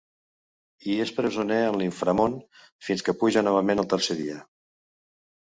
Hi és presoner en l'inframón fins que puja novament al tercer dia.